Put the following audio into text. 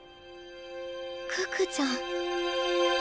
可可ちゃん。